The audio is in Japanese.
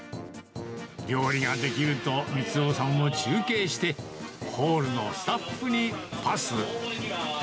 料理が出来ると、光夫さんを中継して、ホールのスタッフにパス。